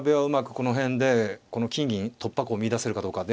この辺でこの金銀突破口を見いだせるかどうかで。